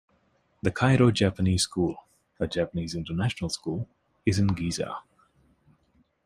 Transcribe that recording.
The Cairo Japanese School, a Japanese international school, is in Giza.